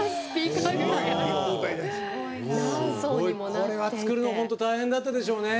これは作るの本当、大変だったでしょうね。